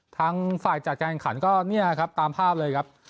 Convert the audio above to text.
ทางฝ่ายจัดการขันก็เนี่ยครับตามภาพเลยครับ